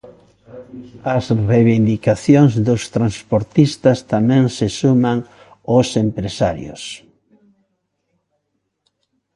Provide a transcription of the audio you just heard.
Ás reivindicacións dos transportistas tamén se suman os empresarios.